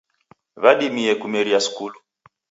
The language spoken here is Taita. Wadimie kumeria skulu.